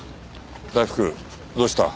大福どうした？